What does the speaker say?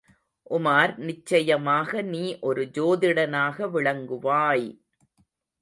உமார், நிச்சயமாக நீ ஒரு ஜோதிடனாக விளங்குவாய்!